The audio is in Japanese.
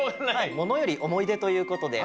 ものよりおもいでということで。